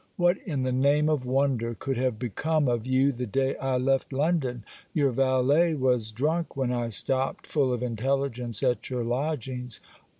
What, in the name of wonder, could have become of you the day I left London! Your valet was drunk when I stopped full of intelligence at your lodgings.